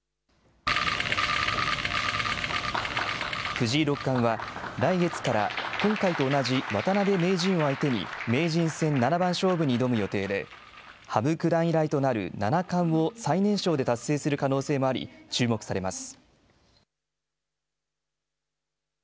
藤井六冠は、来月から今回と同じ渡辺名人を相手に、名人戦七番勝負に挑む予定で、羽生九段以来となる七冠を最年少で達成する可能性もあり、注目されます。